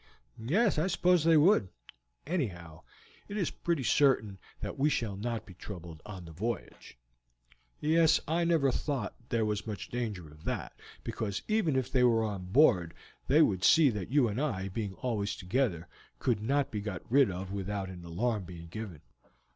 "Yes, I suppose they would; anyhow, it is pretty certain that we shall not be troubled on the voyage." "Yes, I never thought there was much danger of that, because even if they were on board they would see that you and I, being always together, could not be got rid of without an alarm being given."